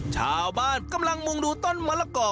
ชาวบ้านกำลังมุ่งดูต้นมะละกอ